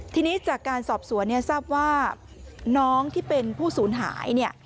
ทีนี้จากการสอบสวยทราบว่าน้องที่เป็นผู้สูญหาย